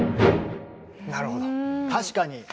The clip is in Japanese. なるほど確かに。